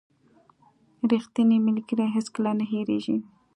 • ریښتینی ملګری هیڅکله نه هېریږي.